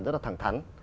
rất là thẳng thắn